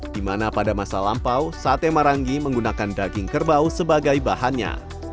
dimana pada masa lampau sate maranggi menggunakan daging kerbau sebagai bahannya